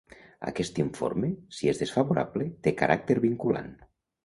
Aquest informe, si és desfavorable, té caràcter vinculant.